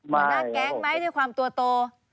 หัวหน้าแก๊งไหมด้วยความตัวโต